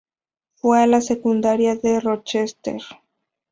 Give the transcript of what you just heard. Fue a la secundaria de Rochester.